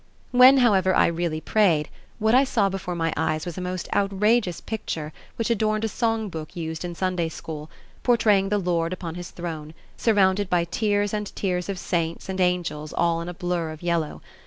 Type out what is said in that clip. When, however, I really prayed, what I saw before my eyes was a most outrageous picture which adorned a song book used in Sunday School, portraying the Lord upon his throne, surrounded by tiers and tiers of saints and angels all in a blur of yellow.